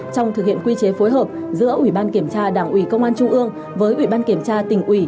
trong thực hiện quy chế phối hợp giữa ủy ban kiểm tra đảng ủy công an trung ương với ủy ban kiểm tra tỉnh ủy